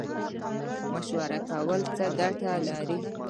مشوره کول څه ګټه لري؟